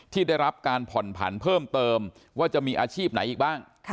ที่ได้รับการผ่อนผันเพิ่มเติมว่าจะมีอาชีพไหนอีกบ้าง